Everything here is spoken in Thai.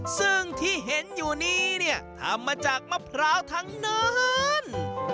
ซึ่งที่เห็นอยู่นี้เนี่ยทำมาจากมะพร้าวทั้งนั้น